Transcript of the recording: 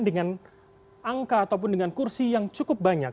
dengan angka ataupun dengan kursi yang cukup banyak